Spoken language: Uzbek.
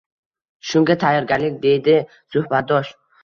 shunga tayyorgarlik, deydi suhbatdosh.